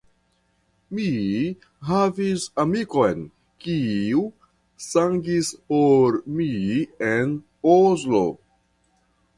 Mi havis amikon, kiu sangis por mi en Oslo.